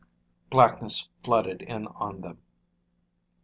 Blackness flooded in on them.